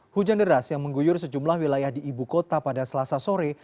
hujan deras yang mengguyur sejumlah wilayah di ibu kota pada selasa sore